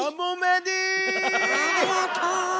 ありがと！